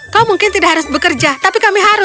kau mungkin tidak harus bekerja tapi kami harus